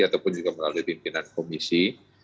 ataupun juga melalui pimpinan komisi